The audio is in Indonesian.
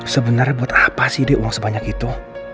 sebenernya buat apa sih deh uang sebanyak itu